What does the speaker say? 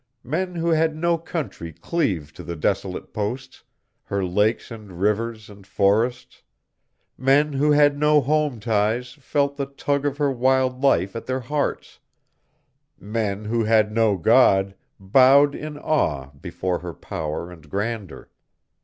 Men who had no country cleaved to her desolate posts, her lakes and rivers and forests; men who had no home ties felt the tug of her wild life at their hearts; men who had no God bowed in awe before her power and grandeur.